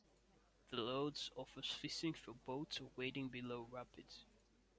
The lodge offers fishing from boats or wading below rapids.